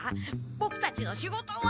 ボクたちの仕事は！